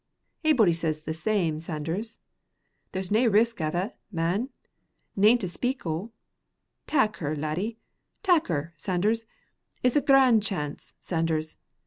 A'body says the same, Sanders. There's nae risk ava, man; nane to speak o'. Tak her, laddie, tak her, Sanders, it's a grand chance, Sanders.